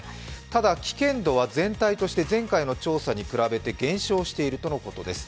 ただ危険度は全体として前回の調査に比べて減少しているとのことです。